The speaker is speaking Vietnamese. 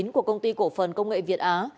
của công ty cổ phần công nghệ việt á